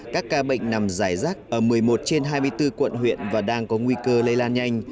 các ca bệnh nằm giải rác ở một mươi một trên hai mươi bốn quận huyện và đang có nguy cơ lây lan nhanh